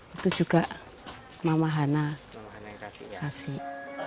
itu juga mama hana yang kasih